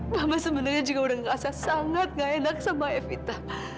mama sebenarnya juga udah ngerasa sangat gak enak sama evita